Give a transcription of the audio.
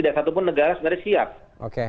tidak satupun negara sebenarnya siap